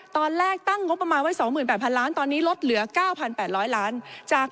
ตอนแรกตั้งงบประมาณไว้๒๘๐๐ล้านตอนนี้ลดเหลือ๙๘๐๐ล้านจาก